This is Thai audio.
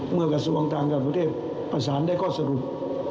กระทรวงการต่างประเทศประสานได้ข้อสรุป